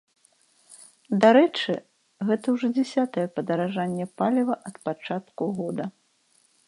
Дарэчы, гэта ўжо дзясятае падаражанне паліва ад пачатку года.